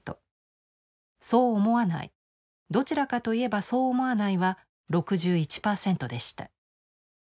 「そう思わない」「どちらかと言えばそう思わない」は６１％でした。